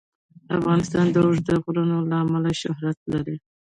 افغانستان د اوږده غرونه له امله شهرت لري.